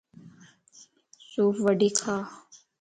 سوڦ وڊي کا